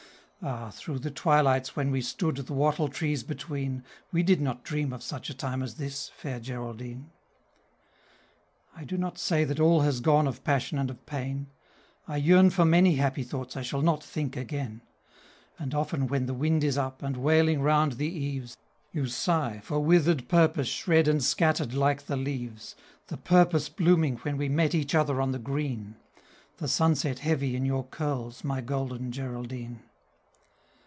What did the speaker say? Ah! through the twilights when we stood the wattle trees between, We did not dream of such a time as this, fair Geraldine. I do not say that all has gone of passion and of pain; I yearn for many happy thoughts I shall not think again! And often when the wind is up, and wailing round the eaves, You sigh for withered Purpose shred and scattered like the leaves, The Purpose blooming when we met each other on the green; The sunset heavy in your curls, my golden Geraldine.